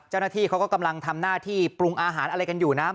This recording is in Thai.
เจ้าหน้าที่เขาก็กำลังทำหน้าที่ปรุงอาหารอะไรกันอยู่นะ